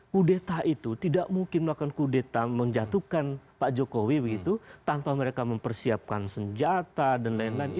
kudeta itu tidak mungkin melakukan kudeta menjatuhkan pak jokowi begitu tanpa mereka mempersiapkan senjata dan lain lain